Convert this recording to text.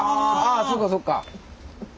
ああそっかそっか。